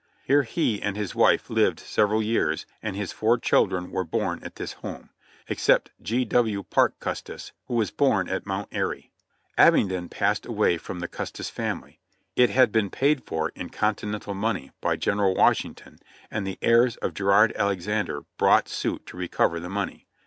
Here he and his wife lived several years, and his four children were born at this home, except G. W. Parke Custis, who was born at Mount Airy. Abingdon passed away from the Custis family ; it had been paid for in Con tinental money by General Washington and the heirs of Girard Alexander brought suit to recover the money.